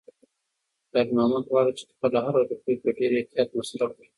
خیر محمد غواړي چې خپله هره روپۍ په ډېر احتیاط مصرف کړي.